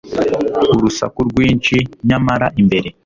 Urusaku rwinshi nyamara imbere